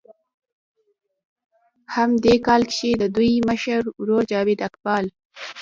هم دې کال کښې د دوي مشر ورور جاويد اقبال